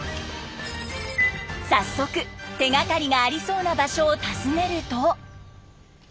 早速手がかりがありそうな場所を訪ねると。